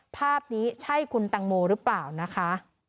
ภาพนี้ใช่คุณตังโมหรือเปล่านะคะ